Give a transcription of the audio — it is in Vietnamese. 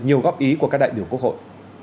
nhiều góp ý của các đại biểu quốc hội